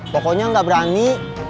pokoknya gak berani